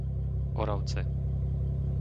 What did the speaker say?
Oravce